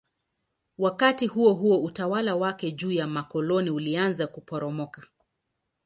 Wakati huohuo utawala wake juu ya makoloni ulianza kuporomoka.